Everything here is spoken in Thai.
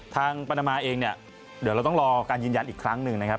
ปานามาเองเนี่ยเดี๋ยวเราต้องรอการยืนยันอีกครั้งหนึ่งนะครับ